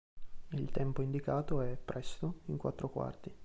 Il tempo indicato è "”Presto”" in quattro quarti.